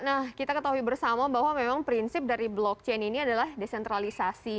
nah kita ketahui bersama bahwa memang prinsip dari blockchain ini adalah desentralisasi